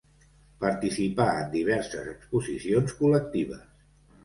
Participà en diverses exposicions col·lectives.